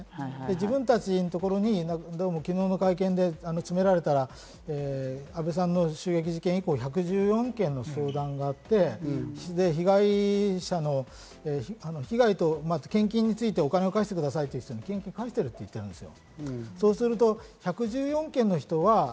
自分たちのところに昨日の会見で詰められたら、安倍さんの襲撃事件以降、１１４件の相談があって、被害者の被害と献金についてお金を返してくださいという方に献金を返していると言っています。